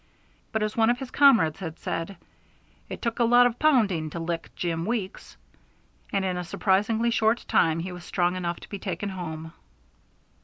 But, as one of his comrades had said, "it took a lot of pounding to lick Jim Weeks," and in a surprisingly short time he was strong enough to be taken home.